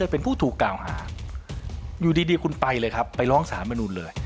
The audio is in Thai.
เป็นผู้ถูกกล่าวหาอยู่ดีคุณไปเลยครับไปร้องสารมนุนเลย